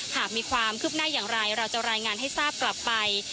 หากมีความคืบหน้าอย่างไรเราจะรายงานให้ทราบกลับไป